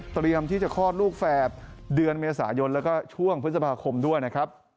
เตรียมที่จะคลอดลูกแฝดเดือนเมษายนแล้วก็ช่วงพฤษภาคมด้วยนะครับ